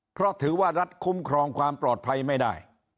เพราะถือว่ารัฐคุ้มครองความปลอดภัยไม่ได้